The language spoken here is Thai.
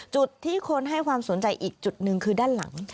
จุดที่คนให้ความสนใจอีกจุดหนึ่งคือด้านหลัง